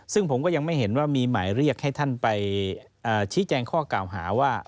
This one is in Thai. ซึ่งผมก็ยังไม่เห็นว่ามีหมายเรียกให้ท่านไปชี้แจงข้อกล่าวหาว่า